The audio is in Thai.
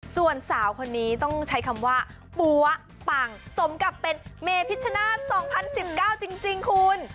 ส่วนสาวคนนี้ต้องใช้คำว่าปั๊วปังสมกับเป็นเมพิชชนาศ๒๐๑๙จริงคุณ